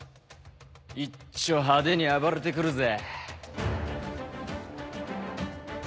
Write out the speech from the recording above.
いっちょ派手に暴れてくるぜ！